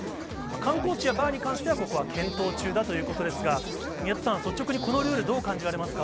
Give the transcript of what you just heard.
観光地やバーに関しては、ここは検討中だということですが、宮田さん、率直にこのルール、どう感じられますか？